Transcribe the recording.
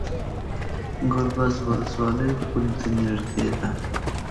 ګربز ولسوالۍ پولې ته نږدې ده؟